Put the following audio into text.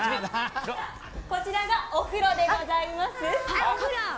こちらがお風呂でございます。